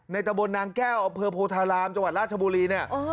ในตะบนนางแก้วอโพธารามจราชบุรีเนี่ย